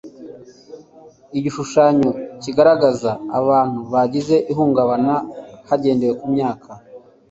igishushanyo kigaragaza abantu bagize ihungabana hagendewe ku myaka